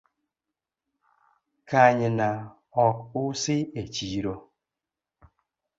Kanyna ok usi echiro